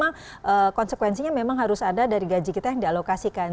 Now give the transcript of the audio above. karena itu memang konsekuensinya memang harus ada dari gaji kita yang dialokasikan